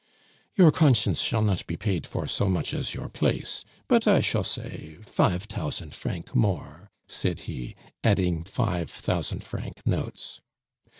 "Your conscience shall not be pait for so much as your place; but I shall say fife tousand franc more," said he adding five thousand franc notes.